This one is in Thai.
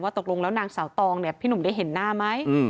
ตกลงแล้วนางสาวตองเนี่ยพี่หนุ่มได้เห็นหน้าไหม